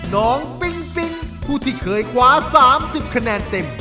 ปิ๊งปิ๊งผู้ที่เคยคว้า๓๐คะแนนเต็ม